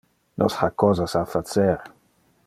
Nos ha cosas a facer.